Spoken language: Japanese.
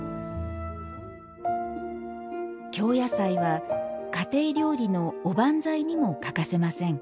京野菜は、家庭料理のおばんざいにも欠かせません。